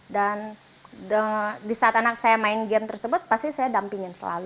dan di saat anak saya main game tersebut pasti saya dampingin selalu